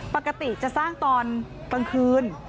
ปกติจะสร้างตอนกลางคืน